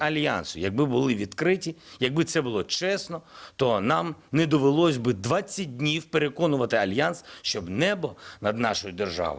alasannya langkah itu dinilai nato bisa memicu eskalasi perang meluas keaturan